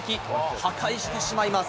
破壊してしまいます。